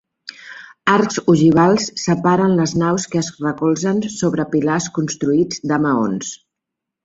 Arcs ogivals separen les naus que es recolzen sobre pilars construïts de maons.